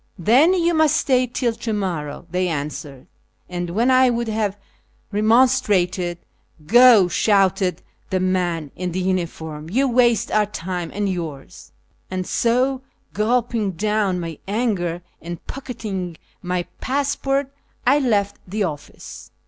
" Then you must stay till to morrow," they answered ; and when I would have remonstrated, " Go," shouted the man in the uniform, " you waste our time and yours." And so, gulping down my anger and pocketing my passport, I left the office.